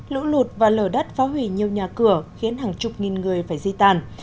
lũ lụt và lở đất phá hủy nhiều nhà cửa khiến hàng chục nghìn người phải di tàn